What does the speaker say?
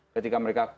ketika mereka kondisi